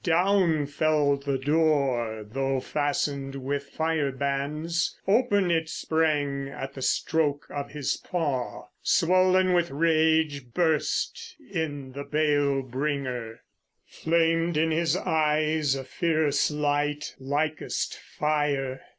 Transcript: Down fell the door, though fastened with fire bands; Open it sprang at the stroke of his paw. Swollen with rage burst in the bale bringer; Flamed in his eyes a fierce light, likest fire.